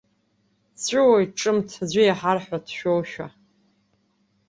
Дҵәуоит ҿымҭ, аӡәы иаҳар ҳәа дшәошәа.